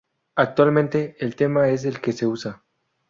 Actualmente el tema es el que se usa.